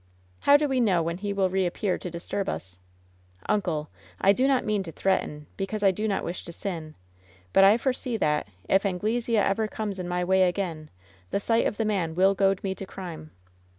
How do we know when he will reappear to disturb us? Uncle I I do not mean to threaten, because I do not wish to sin; but I foresee that, if Anglesea ever comes in my way again, the sight of the man will goad me to crime."